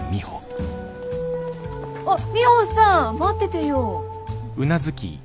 あっミホさん待っててよ。